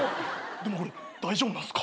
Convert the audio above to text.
でも大丈夫なんすか？